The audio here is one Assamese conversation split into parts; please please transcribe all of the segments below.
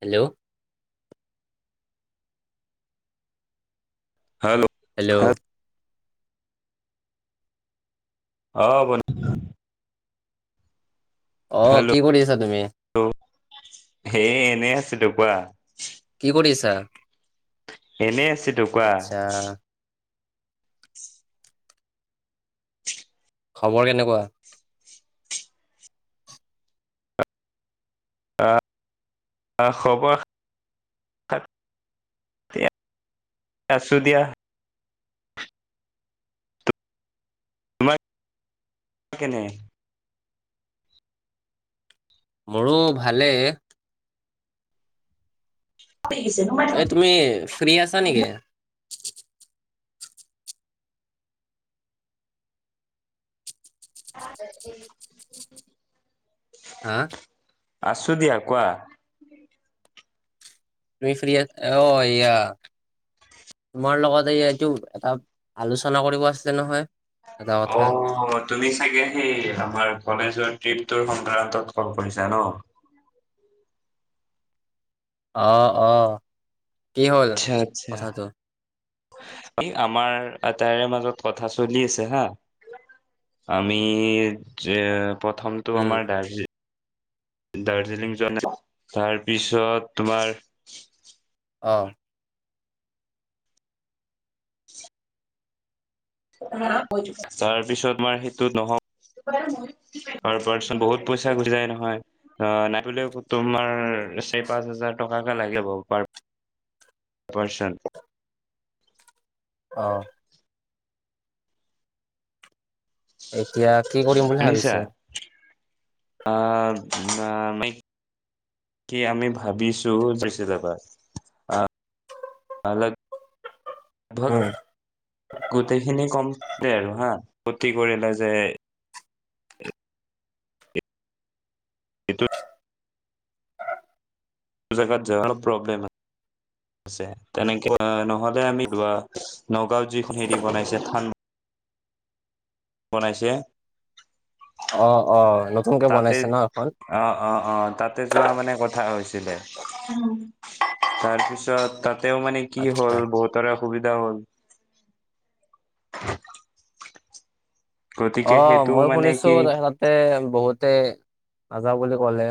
হেল্ল' হেল্ল' হে অঁ, ব অঁ, কি কৰি আছা তুমি? হেই এনেই আছিলোঁ কোৱা। কি [inaudible] এনে আচিলো কোৱা। আচ্ছা [inaudible] খবৰ কেনেকুৱা? অঁ, খবৰ আছো দিয়া। তোমাৰ কেনে? মোৰো ভালে। এ তুমি ফ্ৰী আছা নেকি? [unintelligible] হা। আছো দিয়া কোৱা। তুমি ফ্ৰী আছ অ এয়া তোমাৰ লগত এই এইটো এটা আলোচনা কৰিব আছিলে নহয়। এটা অ কথা তুমি চাগে সেই আমাৰ কলেজ যোৱাৰ ট্ৰিপৰ সংক্ৰান্তত কল কৰিছা ন? অঁ, অ, কি হ'ল আচ্ছা আচছা কথাটো আমাৰ আ তাৰে মাজত কথা চলি আছে হা আমি যে প্ৰথমটো উম আমাৰ দাৰ্জি দাৰ্জিলিং যোৱা নাই। তাৰপিছত তোমাৰ অ। তাৰপিছত মাৰ সেইটোত নহ, পাৰ পাৰ্চন বহুত পইচা গুছি যায় নহয়। অ, নাই তোমাৰ চাৰি পাঁচ হাজাৰ টকাকে লাগে পাৰ পাৰ্চন। অ'। এক এতিয়া কি কৰিম বুলি ভাবিছে? আ, আ কি আমি ভাবিছোঁ [unintelligible] আ। [unintelligible] লগভগ উম। গোটেইখিনি কমকে আৰু হা [unintelligible] কৰিলে যে এইটো যোন্ত জেগাও প্ৰব্লেম আছে। তেনেকে নহ'লে আমি ধৱা নগাঁওত যিখন হেৰি বনাইছে থান বনাইছে অ অ নতুনকে তাতে বনাইছে ন এখন অ', অ', অ' তাতে যোৱা মানে কথা হৈছে। তাৰপিছত তা তেওঁ মানে কি আচ্ছা হ'ল বহুতৰে সুবিধা হ'ল। [inaudible] গতিকে অ‌' সেইটো মই মানে কি শুনিছোঁ তাহাতে বহুতে নাযাও বুলি ক'লে।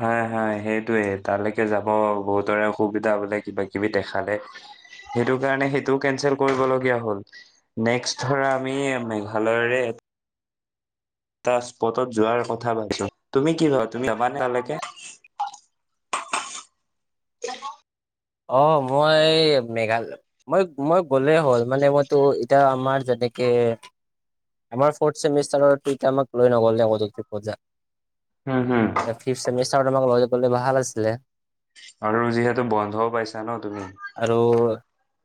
হয়, হয় সেইটোৱে তালৈকে যাব বহুতৰে অসুবিধা বোলে কিবা কিবি দেখালে, সেইটো কাৰণে সেইটোও কেনচেল কৰিবলগীয়া হ'ল। নেক্স ধৰা আমি মেঘালয়ৰে এটা স্পটত যোৱাৰ কথা ভাবিছোঁ। তুমি কি ভাবা, তুমি যাবানে তালৈকে? অ' মই মেঘালয়, মই, মই গ'লেই হ'ল। মানে, মইতো এতিয়া আমাৰ যেনেকে, আমাৰ ফৰ্থ চেমিষ্টাৰৰ, কিন্তু আমাক লৈ নগ'ল দে [unintelligible] হম, হম এয়া ফিফ্থ চেমিষ্ট সিহঁতৰ লগত লৈ গ'লে ভাল আছিলে। আৰু যিহেতু বন ঘৰ পাইছা ন তুমি আৰু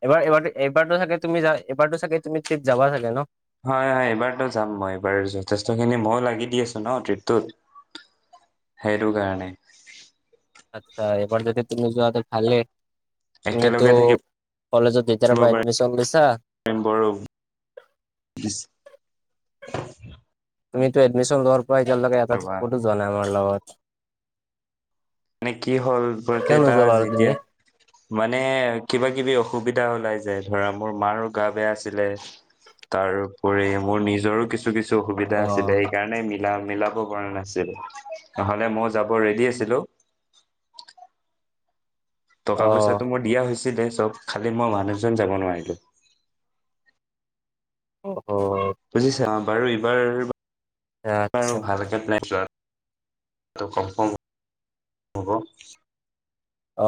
এবাৰ এইবাৰ এইবাৰো চাগে তুমি যা এইবাৰো চাগে তুমি তত যাবা চাগে ন হয় হয় এইবাৰতো যাম মই এইবাৰ যথেষ্টখিনি ময়ো লাগি দি আছো ন ট্ৰিপটোত সেইটো কাৰণে আচ্ছা এইবাৰ যতিতে তুমি যোৱা খালে তুমিতো একেলগে থাকিব কলেজত যেতিাৰ পৰা এডমিশন লৈছা পাৰিম বাৰু তুমিটো এডমিনছন লগেটাত ক'তো যোৱা নাই আমাৰ লগত [inaudible] মানে কি হ'ল কিয় প্ৰতেটা নোযোৱা বাৰু তুমি যেতিয়া মানে কিবা কিবি অখু অসুবিধা ওলাই যায় ধৰা মোৰ মাৰো গা বেয়া আছিলে তাৰ ওপৰি মোৰ নিজৰো কিছু কি কিছু অসুবিধা অ আছিলে সেইকাৰণে মি মিলা মিলাব পৰা নাছিলো, নহ'লে মইও যাব ৰেডি আছিলো। [inaudible] অ টকা পইচাটো মোৰ দিয়া হৈছিলে। চব খালি মই মানুহজন যাব নোৱাৰিলো। উ বুজিচাম, বাৰু এইবাৰ, আচ্ছা আৰু ভালকে নাই চোৱা। কলপ [unintelligible] অ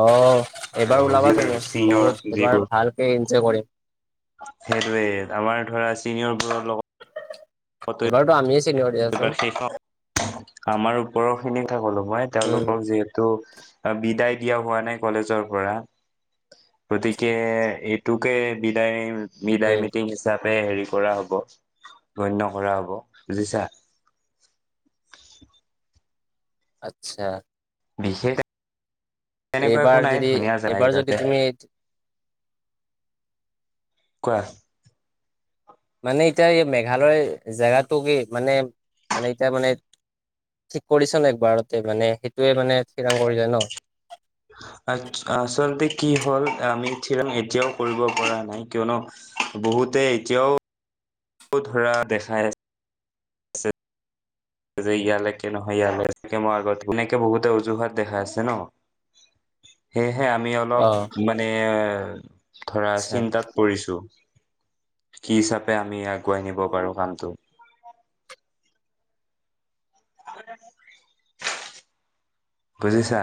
এইবাৰ ওলাবা তুমি, চিনিয়ৰ বহুত এবাৰ যিবোৰ ভালকে যে কৰে সেইটোৱে আমাৰ ধৰা চিনিয়ৰবোৰৰ লগত, এবাৰতো আমি, ত শেষ আৰু আমাৰ ওপৰ, হয়। [unintelligible] কথা ক'লো মই উম, তেওঁলোকক যিহেতু, বিদায় দিয়া হোৱা নাই কলেজৰ পৰা গতিকে এইটোকে বিদায়। বিদাই উম, মিটিং হিচাপে পে হেৰি কৰা হব গণ্য কৰা হব বুজিছা। আচ্ছা, বিশেষ তেনেকুৱা একো এইবাৰ নাই যদি ধুনীয়া যায় এইবাৰ যদি তাতে তুমি কোৱা, মানে এতিয়া এই মেঘালয় জেগাটোকে মানে-মানে এতিয়া মানে ঠিক কৰিছে ন একবাৰতে মানে সেইটোৱে মানে থিৰাং কৰিছে ন। আ আচলতে কি হল আমি থিৰাং এতিয়াও কৰিব পৰা নাই কিয়নো বহুতে এতিয়াও ধৰা দেখাই আছে। যে ইয়ালৈকে নহয় ইয়ালৈকে মই আগতে এনেকে বহুতে অজুহাত দেখা আছে ন, সেইয় হে আমি অলপ অ', মানে ত [unintelligible] ধৰা আচ্ছা। চিন্তাত পৰিছো। কি হিচাপে আমি আগুৱাই নিব পাৰো কামটো। [inaudible]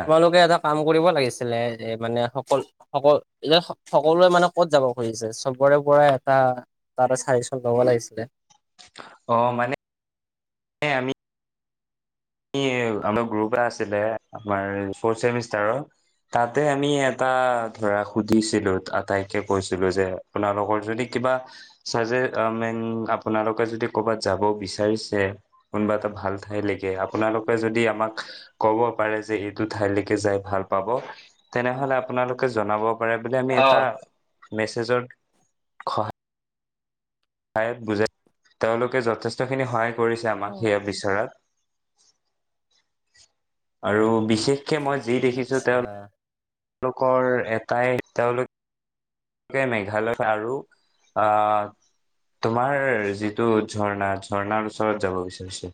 তোমালোকে এটা কাম কৰিব লাগিছিলে। মানে সকল-সকল-সকলোৱে মানে ক'ত যাব খুজিছে চবৰে পৰা এটা তাতে চাজেশন লব লাগিছিলে। অ মানে আমি আমাৰ গ্ৰুপ এ আছিলে, আমাৰ ফৰ চেমিষ্টাৰৰ তাতে আমি এটা ধৰা সুধিছিলো। আটাইকে কৈছিলো যে আপোনালোকৰ যদি কিবা চাজে মেন আপোনালোকে যদি ক'বাত যাব বিচাৰিছে কোনোবা এটা ভাল ঠাইলৈকে। আপোনালোকে যদি আমাক ক'ব পাৰে যে এইটো ঠাইলৈকে যাই ভাল পাব তেনেহলে আপোনালোকে জনাব। পাৰে বুলি আমি এটা, অ'। মেছেজৰ খহ স বুজাই তেওঁলোকে যথেষ্টখিনি সহায়। পৰিছে আমাক অ', সেই বিচৰাত। আৰু বিশেষকে মই যি দেখিছোঁ আচ্ছা। তেওঁলোক তেওঁলোকৰ এটাই তেওঁলোকেলোকে মেঘালয় আৰু আহ তোমাৰ যিটো ঝৰ্ণা ঝৰ্ণাৰ ওচৰত যাব বিচাৰিছে।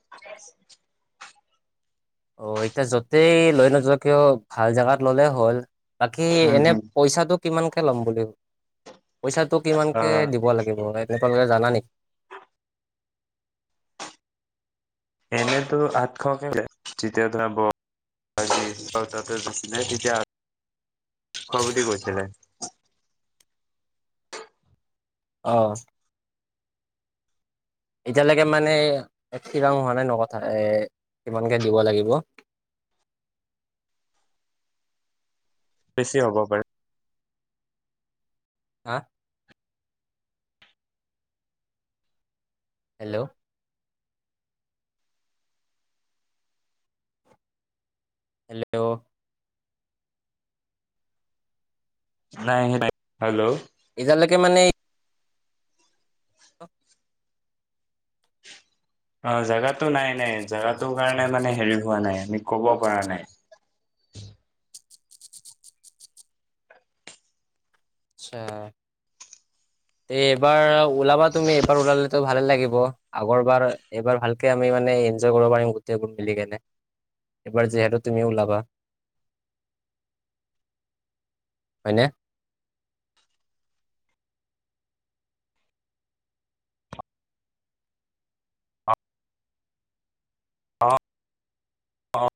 ভালে অ', এতিয়া য'তেই লৈ নযোৱা কিয় ভাল জোগাত ললে হ'ল। বাকী এনে পইচাটো কিমানকৈ ল'ম বুলি পইচাটো কিমান কেে আহ দিব লাগিব আালোকে জানা নেকি। এনেতো আঠশকে যেতিয়া ধৰা [unintelligible] ব তাতে গৈছিলে তেতিয়া আঠঠশ বুলি কৈছিলে। অ। এতিয়ালৈকে মানে এক খি ৰং হোৱা নাই ন কথা এ কিমানকে দিব লাগিব। বেছি হ'ব পাৰে। হা। হেল্লো। হেল্লো। নাই ন [unintelligible] হেল্লো। এয়ালৈকে মানে অ', জোগাতটো নাই নাই জোগাটো কাৰণে মানে হেৰি হোৱা নাই আমি কব পৰা নাই। অচ্ছা এইবাৰ ওলাবা তুমি এইবাৰ ওলালো ভালে লাগিব আগৰ বাৰ এইবাৰ ভালকে আমি মানে এনজয় কৰিব পাৰিম গোটব মিলি কেনে এইবাৰ যিহেতু তুমি ওলাবা হয়নে। অ', [unintelligible] অ।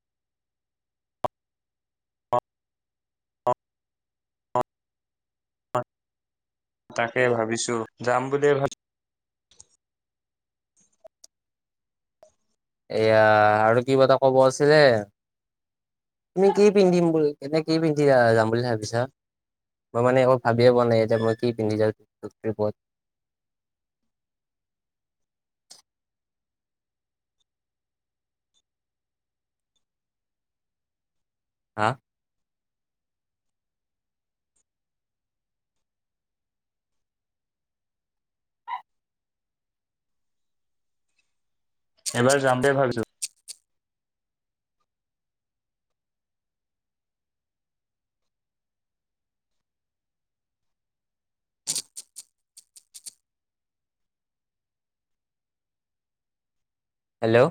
অ তাকে ভাবিছো যাম বুলিয়ে ভাবছো [unintelligible] এয়া আৰু কিবটা কব আছিলে তুমি কি পিন্ধিম বুলি কেনে কি পিন্ধি যাম বুলি ভাবিছা মই মানে একো ভাবিয়ে পোৱা নাই এতিয়া মই কি পিন্ধি যামটিপত। হা। এবাৰ যামতে ভাবিছো। হেল্লো।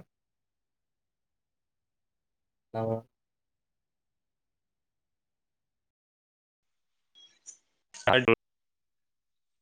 হৱ। [unintelligible]